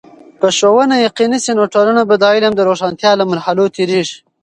که ښوونه یقيني سي، نو ټولنه به د علم د روښانتیا له مرحلو تیریږي.